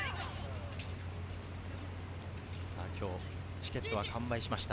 チケットは完売しました。